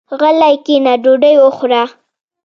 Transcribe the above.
غلی کېنه ډوډۍ وخوره.